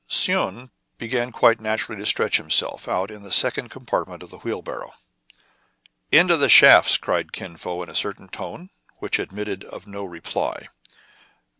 Soun began quite naturally to stretch himself out in the second compartment of the wheelbar row. " Into the shafts !" cried Kin Fo in a certain tone, which admitted of no reply.